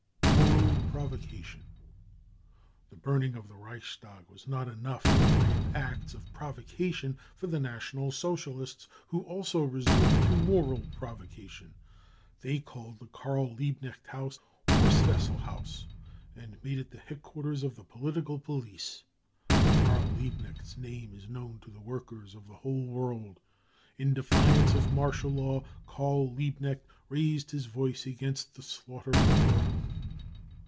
j^Loral Provocation. The burning of the Reichstag was not enough in the way of acts of provocation for the #* I46 BROWN BOOK OF THE HITLER TERROR National Socialists, who also resortecPto moral provocation. They called the Karl Liebknecht House " Horst Wessel House 99 and made it the headquarters of the political police. Karl Liebknecht's name is known to the workers of the whole world. In defiance of martial law, Karl Liebknecht raised his voice against the slaughter of the war.